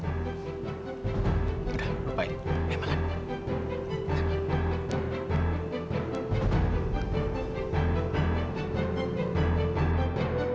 udah lupain emang